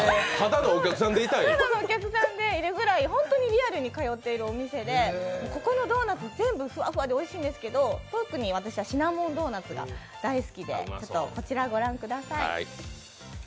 ただのお客さんでいるぐらい、ホントにリアルで通っているお店でここのドーナツ、全部ふわふわでおいしいんですけど、特に私はシナモンドーナツが大好きで、こちらご覧ください。